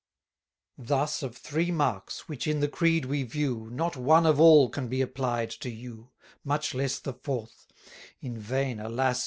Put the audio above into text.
Thus, of three marks, which in the Creed we view, Not one of all can be applied to you: 577 Much less the fourth; in vain, alas!